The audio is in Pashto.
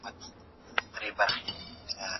څه شی د خوندي مهاجرت لاري پرانیزي؟